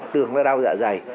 tưởng là đau dạ dày